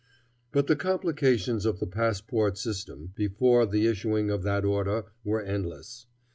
But the complications of the passport system, before the issuing of that order, were endless.